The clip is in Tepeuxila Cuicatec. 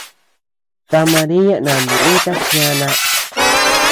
Ta Maria nandilïta kiana.